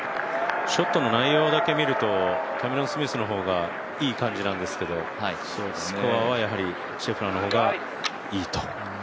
ショットの内容だけ見ると、キャメロン・スミスの方がいい感じなんですけどスコアはやはりシェフラーの方がいいと。